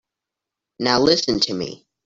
Now listen to me.